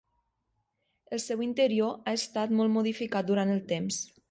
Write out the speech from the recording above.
El seu interior ha estat molt modificat durant el temps.